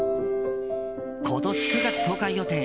今年９月公開予定